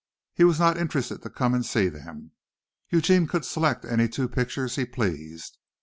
He was not interested to come and see them. Eugene could select any two pictures he pleased.